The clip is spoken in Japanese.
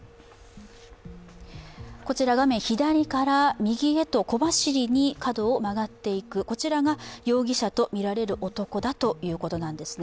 画面左から右へと小走りに角を曲がっていくこちらが容疑者とみられる男だということなんですね。